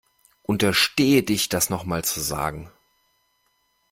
Unterstehe dich, das noch mal zu sagen!